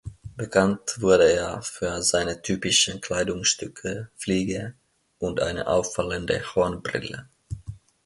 Bekannt wurde er für seine typischen Kleidungsstücke: Fliege und eine auffallende Hornbrille.